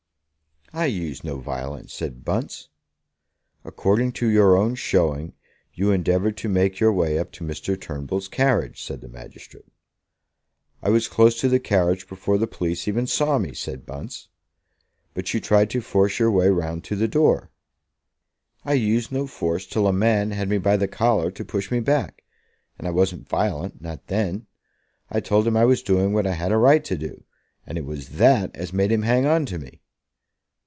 "I used no violence," said Bunce. "According to your own showing, you endeavoured to make your way up to Mr. Turnbull's carriage," said the magistrate. "I was close to the carriage before the police even saw me," said Bunce. "But you tried to force your way round to the door." "I used no force till a man had me by the collar to push me back; and I wasn't violent, not then. I told him I was doing what I had a right to do, and it was that as made him hang on to me."